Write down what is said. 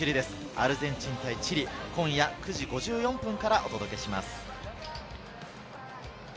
アルゼンチン対チリ、今夜９時５４分からお届けします。